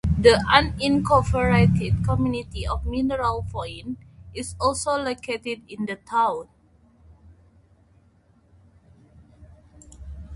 The unincorporated community of Mineral Point is also located in the town.